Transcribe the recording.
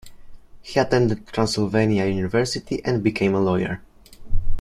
He attended Transylvania University and became a lawyer.